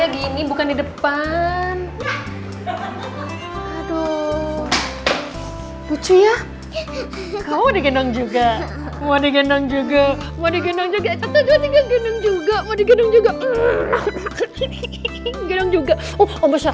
gini bukan di depan aduh lucu ya kau digenang juga mau digenang juga mau digenang juga mau